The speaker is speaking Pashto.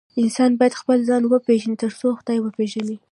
انسان بايد خپل ځان وپيژني تر څو خداي وپيژني